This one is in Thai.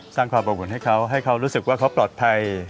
สร้างความอบอุ่นให้เขาให้เขารู้สึกว่าเขาปลอดภัย